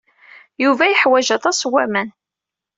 Yuba yeḥwaj aṭas n waman.